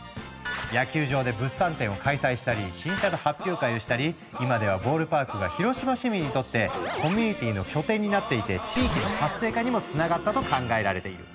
野球場で物産展を開催したり新車の発表会をしたり今ではボールパークが広島市民にとってコミュニティーの拠点になっていて地域の活性化にもつながったと考えられている。